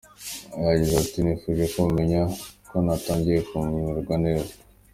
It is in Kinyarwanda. Yagize ati “Nifuje ko mumenya ko natangiye kumererwa neza.